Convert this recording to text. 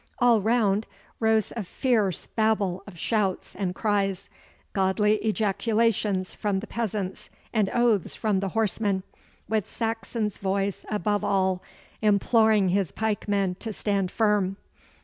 All round rose a fierce babel of shouts and cries, godly ejaculations from the peasants and oaths from the horsemen, with Saxon's voice above all imploring his pikemen to stand firm.